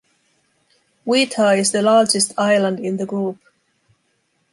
Wetar is the largest island in the group.